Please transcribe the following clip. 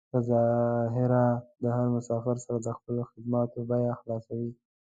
په ظاهره له هر مسافر سره د خپلو خدماتو بيه خلاصوي.